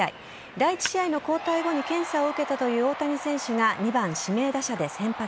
第１試合の交代後に検査を受けたという大谷選手が２番・指名打者で先発。